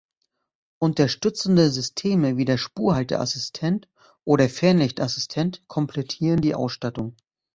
Unterstützende Systeme wie der Spurhalte-Assistent oder Fernlicht-Assistent komplettieren die Ausstattung.